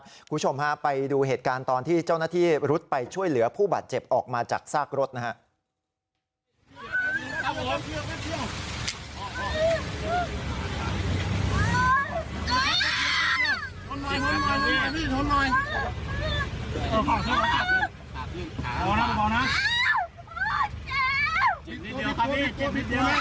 คุณผู้ชมฮะไปดูเหตุการณ์ตอนที่เจ้าหน้าที่รุดไปช่วยเหลือผู้บาดเจ็บออกมาจากซากรถนะครับ